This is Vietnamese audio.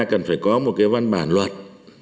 cần phải có một cái văn bản luật